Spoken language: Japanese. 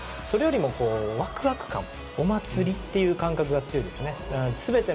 それよりもワクワク感お祭りという感覚が強いですね。